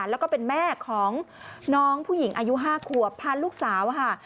แล้วก็เป็นแม่ของน้องผู้หญิงอายุ๕ขวบพาลูกสาวค่ะ